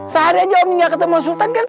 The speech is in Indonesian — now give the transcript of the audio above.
sehari aja om ngga ketemu sultan kan